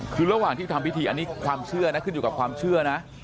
คือระหว่างที่ทำพิธีอันนี้ความเชื่อนะขึ้นอยู่กับความเชื่อนะ